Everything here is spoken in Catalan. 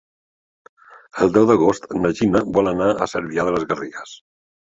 El deu d'agost na Gina vol anar a Cervià de les Garrigues.